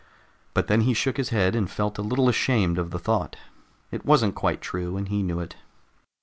_ But then he shook his head and felt a little ashamed of the thought. It wasn't quite true, and he knew it.